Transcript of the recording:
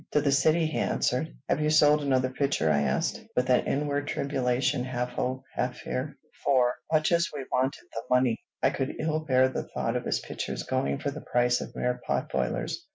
"To the city," he answered. "Have you sold another picture?" I asked, with an inward tribulation, half hope, half fear; for, much as we wanted the money, I could ill bear the thought of his pictures going for the price of mere pot boilers.